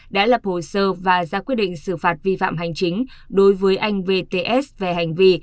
đã lập hồ sơ và ra quyết định xử phạt vi phạm hành chính đối với anh vts về hành vi